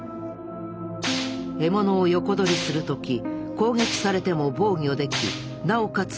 獲物を横取りするとき攻撃されても防御できなおかつ